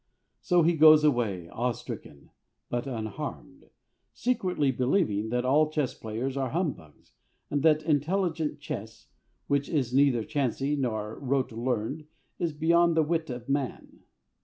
So he goes away awestricken but unharmed, secretly believing that all chess players are humbugs, and that intelligent chess, which is neither chancy nor rote learned, is beyond the wit of man.